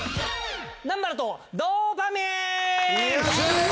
南原とドーパ民。